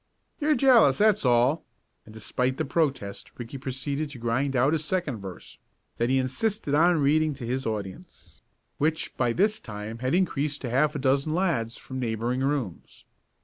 "You're jealous, that's all," and despite the protest Ricky proceeded to grind out a second verse, that he insisted on reading to his audience, which, by this time had increased to half a dozen lads from neighboring rooms.